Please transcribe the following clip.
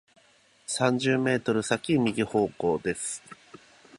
三十メートル先、右方向です。